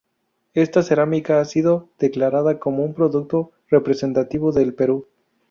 Esta cerámica ha sido declarada como un producto representativo del Perú.